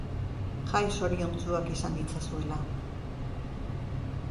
Jai zoriontsuak izan ditzazuela.